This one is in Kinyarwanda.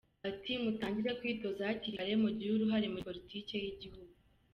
Ati “Mutangire kwitoza hakiri kare, mugire uruhare muri politiki y’igihugu.